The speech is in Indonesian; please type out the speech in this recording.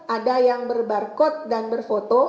ada yang berbarcode dan berfoto